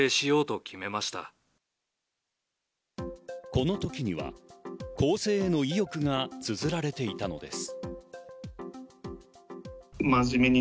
この時には更生への意欲がつづられていたのです。